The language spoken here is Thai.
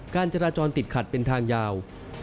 การจราจรติดขัดเป็นทางยาว